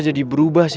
ntar lo juga tau